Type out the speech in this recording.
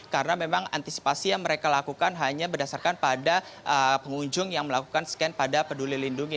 karena memang antisipasi yang mereka lakukan hanya berdasarkan pada pengunjung yang melakukan scan pada peduli lindungi